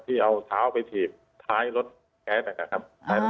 ที่เอาเท้าไปถี่บท้ายรถแก๊ม